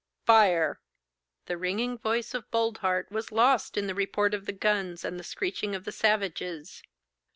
'Fire!' The ringing voice of Boldheart was lost in the report of the guns and the screeching of the savages.